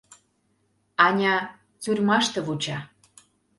Аня тюрьмаште вуча...